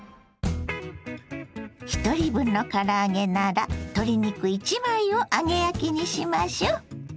ひとり分のから揚げなら鶏肉１枚を揚げ焼きにしましょう。